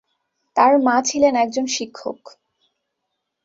তার মা ছিলেন একজন শিক্ষক।